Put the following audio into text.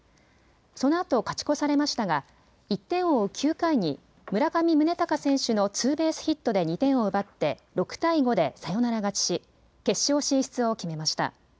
そのあと勝ち越されましたが１点を追う９回に村上宗隆選手のツーベースヒットで２点を奪って６対５でサヨナラ勝ちし決勝進出を決めました。